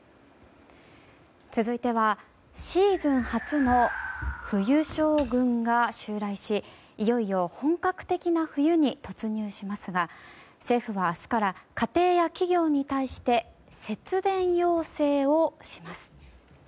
続いてはシーズン初の冬将軍が襲来しいよいよ本格的な冬に突入しますが政府は明日から家庭や企業に対して節電要請をします。